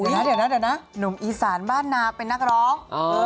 เดี๋ยวนุ่มอีสานบ้านนาเป็นนักร้อง